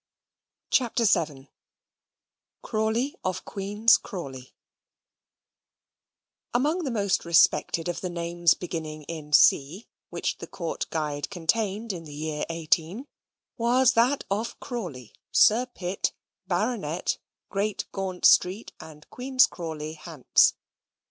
CHAPTER VII Crawley of Queen's Crawley Among the most respected of the names beginning in C which the Court Guide contained, in the year 18 , was that of Crawley, Sir Pitt, Baronet, Great Gaunt Street, and Queen's Crawley, Hants.